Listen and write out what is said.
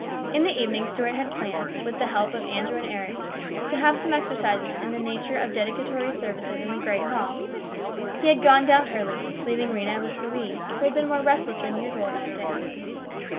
In the evening Stuart had planned, with the help of Andrew and Eric, to have some exercises in the nature of dedicatory services in the great hall. He had gone down early, leaving Rhena with Louise, who had been more restless than usual that day.